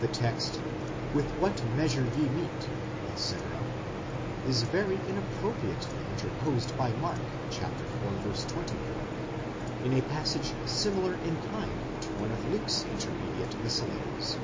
The text, With what measure ye mete, etc., is very inappropriately interposed by Mark (iv. 24), in a passage similar in kind to one of Luke's intermediate miscellanies.